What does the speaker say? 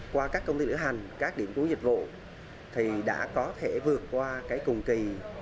qua các công ty lễ hành các điểm cuối dịch vụ thì đã có thể vượt qua cái cùng kỳ hai nghìn hai mươi hai